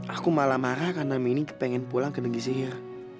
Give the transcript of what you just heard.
aku malah marah karena mini pengen pulang ke negeri saya